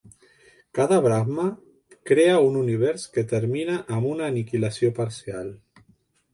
Cada Brahma crea un univers que termina amb una aniquilació parcial.